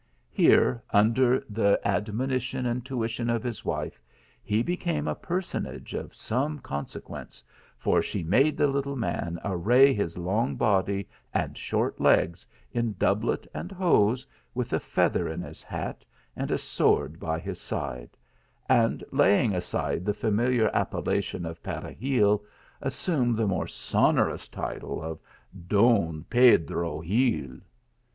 Here, under the admonition and tuition of his wife, he became a personage of some consequence, for she made Ihe little man array his long body and short legs in doublet and hose, with a feather in his hat and a sword by his side ; and, laying aside the familiar appellation of Peregil, assume the more sonorous THE MOORS LEGACY. 181 title of Don Pedro Gil.